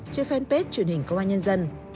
trên fanpage truyền hình công an nhân dân